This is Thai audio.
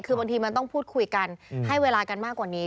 คือบางทีมันต้องพูดคุยกันให้เวลากันมากกว่านี้